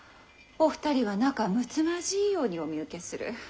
お二人は仲むつまじいようにお見受けする。